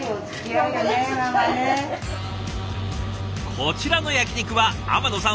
こちらの焼き肉は天野さん